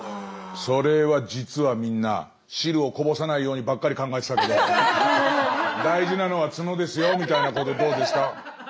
それは実はみんな汁をこぼさないようにばっかり考えてたけど大事なのは角ですよみたいなことどうですか？